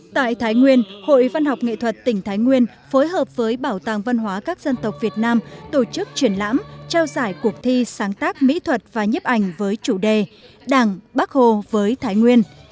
tại thái nguyên hội văn học nghệ thuật tỉnh thái nguyên phối hợp với bảo tàng văn hóa các dân tộc việt nam tổ chức triển lãm trao giải cuộc thi sáng tác mỹ thuật và nhiếp ảnh với chủ đề đảng bác hồ với thái nguyên